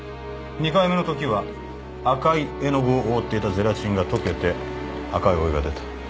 ２回目のときは赤い絵の具を覆っていたゼラチンが溶けて赤いお湯が出た。